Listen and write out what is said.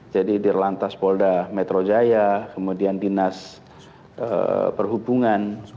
jadi di lantas polda metro jaya kemudian dinas perhubungan